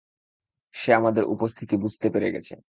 সে আমাদের উপস্থিতি বুঝতে পেরে গেছে।